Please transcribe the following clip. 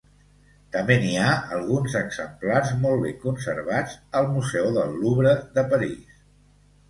També n'hi ha alguns exemplars molt ben conservats al Museu del Louvre de París.